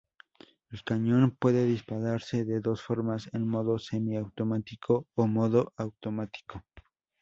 El cañón, puede dispararse de dos formas: en modo semiautomático o modo automático.